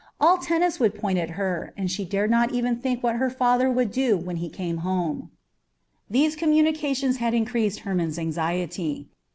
All Tennis would point at her, and she dared not even think what her father would do when he came home." These communications had increased Hermon's anxiety.